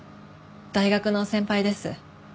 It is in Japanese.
大学の先輩です。